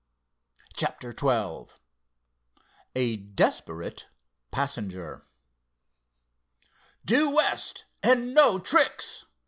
CHAPTER XII A DESPERATE PASSENGER "Due west—and no tricks!"